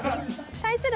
対する